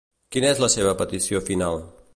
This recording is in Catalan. Quina és la seva petició final?